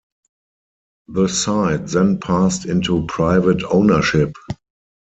The site then passed into private ownership.